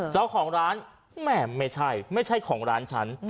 เจ้าของร้านแหม่ไม่ใช่ไม่ใช่ของร้านฉัน